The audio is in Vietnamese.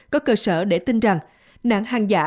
có cơ sở để tin rằng